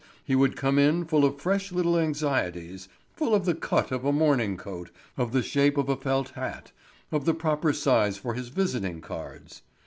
He would come in full of fresh little anxieties, full of the cut of a morning coat, of the shape of a felt hat, of the proper size for his visiting cards.